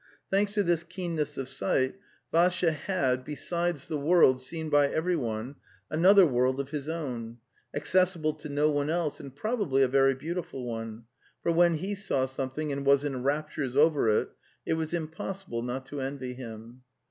Thanks to this keenness of sight, Vassya had, besides the world seen by every one, another world of his own, accessible to no one else, and probably a very beautiful one, for when he saw something and was in raptures over it it was impossible not to envy him.